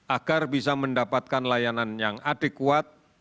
agar bisa mendapatkan layanan yang adekuat